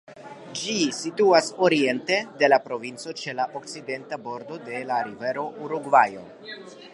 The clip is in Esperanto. Ĝi situantas oriente de la provinco, ĉe la okcidenta bordo de la rivero Urugvajo.